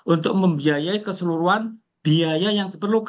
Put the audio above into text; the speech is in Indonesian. untuk membiayai keseluruhan biaya yang diperlukan